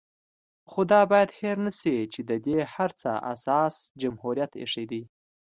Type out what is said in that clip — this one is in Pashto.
خو دا بايد هېر نشي چې د دې هر څه اساس جمهوريت ايښی دی